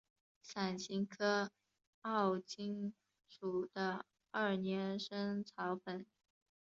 伞形科欧芹属的二年生草本。